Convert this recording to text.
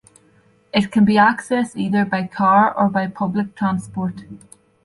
It can be accessed either by car or by public transport.